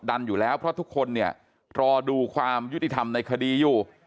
อยู่แล้วเพราะทุกคนเนี่ยรอดูความยุติธรรมในคดีอยู่